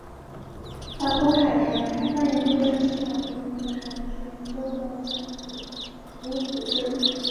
法国海洋开发研究院是法国的一个海洋学研究的政府服务组织。